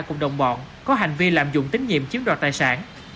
cùng đồng bọn có hành vi lạm dụng tín nhiệm chiếm đoạt tài sản